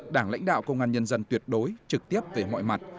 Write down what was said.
đảng lãnh đạo công an nhân dân tuyệt đối trực tiếp về mọi mặt